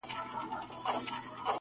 باک مي نسته بیا که زه هم غرغړه سم ,